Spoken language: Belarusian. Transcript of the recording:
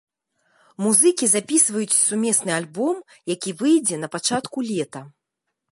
Музыкі запісваюць сумесны альбом, які выйдзе на пачатку лета.